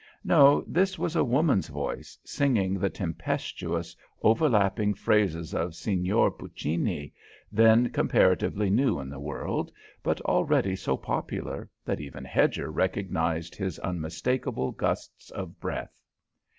No, this was a woman's voice, singing the tempestuous, over lapping phrases of Signor Puccini, then comparatively new in the world, but already so popular that even Hedger recognized his unmistakable gusts of breath.